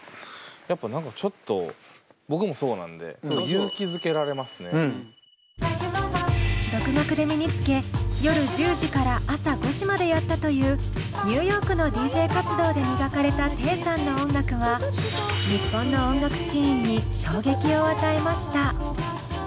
やっぱ何かちょっと僕もそうなんで独学で身につけ夜１０時から朝５時までやったというニューヨークのＤＪ活動で磨かれたテイさんの音楽は日本の音楽シーンに衝撃を与えました。